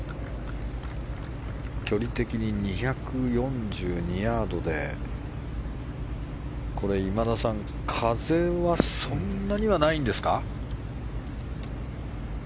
距離的に２４２ヤードで今田さん風はそんなにはないんですか？